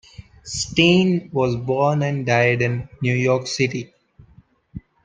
Stein was born and died in New York City.